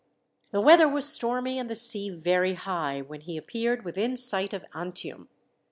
"The weather was stormy, and the sea very high, when he appeared within sight of Antium.